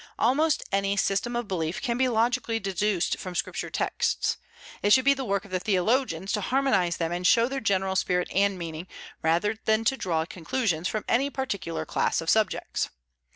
Almost any system of belief can be logically deduced from Scripture texts. It should be the work of theologians to harmonize them and show their general spirit and meaning, rather than to draw conclusions from any particular class of subjects.